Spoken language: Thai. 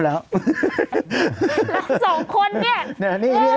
แล้ว๒คนนี่